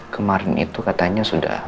kemarin itu katanya sudah